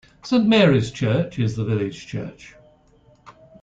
Saint Mary's Church is the village church.